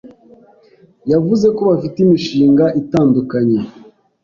yavuze ko bafite imishinga itandukanye